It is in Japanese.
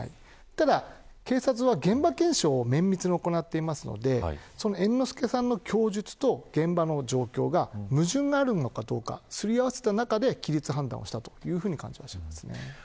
ただ、警察は現場検証を綿密に行っていますので猿之助さんの供述と現場の状況に矛盾があるかどうかすり合わせた中で判断したというふうに感じます。